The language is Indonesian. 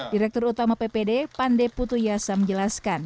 direktur utama ppd pandeputuyasa menjelaskan